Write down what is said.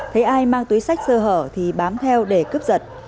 thấy ai mang túi sách sơ hở thì bám theo để cướp giật